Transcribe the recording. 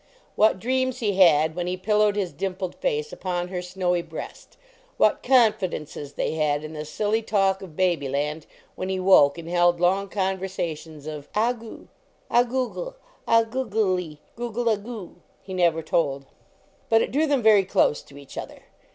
"What dreams he had when he pillowed his dimpled face upon her snowy breast; what confidences they had in the silly talk of baby land when he woke and held long conversa tions of "ah goo, ah google, ah googelie, google ah goo," he never told. But it drew them very close to each other.